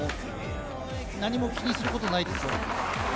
何も気にすることないです。